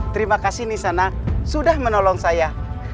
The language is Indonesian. terima kasih nisana sudah menolong saya